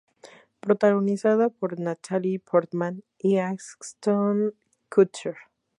Protagonizada por Natalie Portman y Ashton Kutcher.